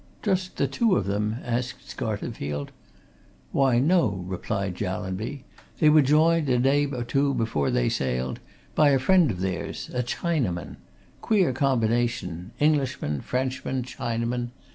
"Just the two of them?" asked Scarterfield. "Why, no," replied Jallanby. "They were joined, a day or two before they sailed, by a friend of theirs a Chinaman. Queer combination Englishman, Frenchman, Chinaman.